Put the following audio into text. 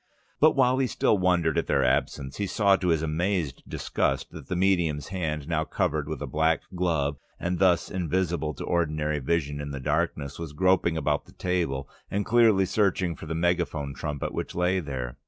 But while he still wondered at their absence, he saw to his amazed disgust that the medium's hand, now covered with a black glove, and thus invisible to ordinary human vision in the darkness, was groping about the table and clearly searching for the megaphone trumpet which lay there.